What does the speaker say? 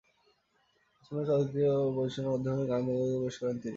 অসমীয়া চলচ্চিত্রে সঙ্গীত পরিবেশনের মাধ্যমে গানের জগতে প্রবেশ করেন তিনি।